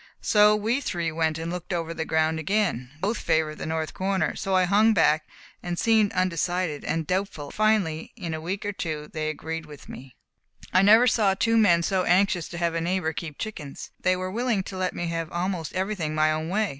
So we three went and looked over the ground again. Both favoured the north corner, so I hung back and seemed undecided and doubtful, and finally, in a week or two, they agreed with me. [Illustration: 123] I never saw two men so anxious to have a neighbour keep chickens. They were willing to let me have almost everything my own way.